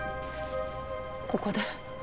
ここで？